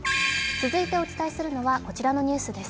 続いてお伝えするのはこちらのニュースです。